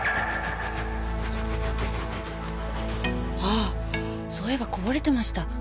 あそういえばこぼれてました。